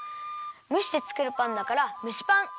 むしてつくるパンだから蒸しパン。